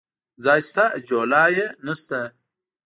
ځاى سته ، جولايې نسته.